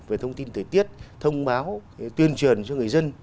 về thông tin thời tiết thông báo tuyên truyền cho người dân